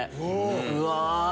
うわ！